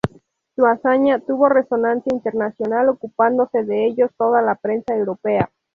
Su hazaña tuvo resonancia internacional, ocupándose de ellos toda la prensa europea.